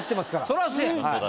そらそうや。